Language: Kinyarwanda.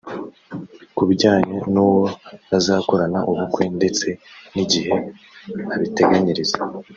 Ku bijyanye n’uwo bazakorana ubukwe ndetse n’igihe abiteganyiriza